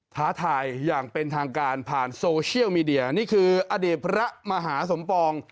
ท้าทายอย่างเป็นทางการผ่านโซเชียลมีเดียนี่คืออดีตพระมหาสมปอง